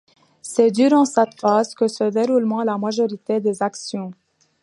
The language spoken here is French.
C'est durant cette phase que se déroulent la majorité des actions.